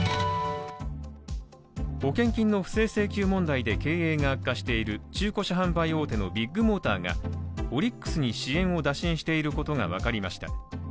保険金の不正請求問題で経営が悪化している中古車販売大手のビッグモーターがオリックスに支援を打診していることが分かりました。